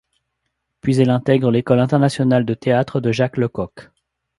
Puis elle intègre l'école internationale de théâtre de Jacques Lecoq.